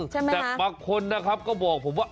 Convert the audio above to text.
ใช่ไหมฮะใช่ไหมฮะแต่บางคนนะครับก็บอกผมว่า